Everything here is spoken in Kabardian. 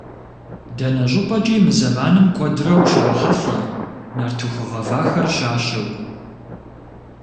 Дэнэ щӏыпӏэкӏи мы зэманым куэдрэ ущрохьэлӏэ нартыху гъэвахэр щащэу.